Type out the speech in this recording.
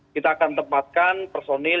kita akan tempatkan personil